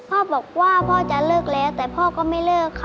พ่อบอกว่าพ่อจะเลิกแล้วแต่พ่อก็ไม่เลิกค่ะ